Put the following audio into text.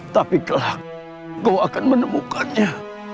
tapi kelak kau akan menemukannya